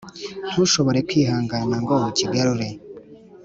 ntushobore kwihangana ngo ukigarure,